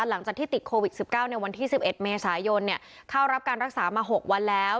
หลังจากที่ติดโควิด๑๙ในวันที่๑๑เมษายนเข้ารับการรักษามา๖วันแล้ว